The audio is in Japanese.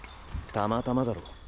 たまたまだろ。